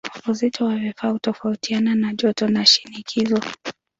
Uzito wa vifaa hutofautiana na joto na shinikizo.